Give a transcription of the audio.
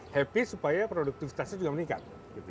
happy supaya produktivitasnya juga meningkat